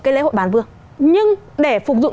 cái lễ hội bàn vương nhưng để phục dụng